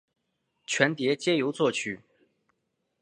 全碟皆由作曲。